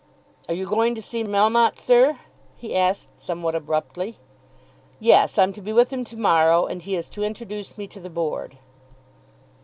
"Are you going to see Melmotte, sir?" he asked somewhat abruptly. "Yes; I'm to be with him to morrow, and he is to introduce me to the Board."